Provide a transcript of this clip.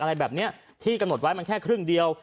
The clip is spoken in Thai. อะไรแบบนี้ที่กำหนดไว้มันแค่ครึ่งเดียว